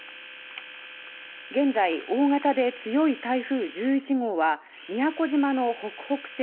現在、大型で強い台風１１号は宮古島の北北西